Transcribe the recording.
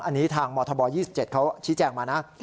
อันนี้ทางมธบ๒๗เขาชี้แจงมานะ